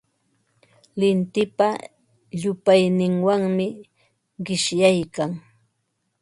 Lintipa llupayninwanmi qishyaykan.